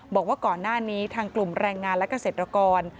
บอกว่าก่อนหน้านี้ทางกลุ่มแรงงานและเกษตรกร